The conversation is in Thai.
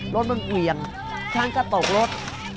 รถมันเหวี่ยงฉันก็ตกรถ